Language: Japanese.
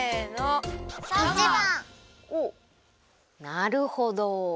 なるほど！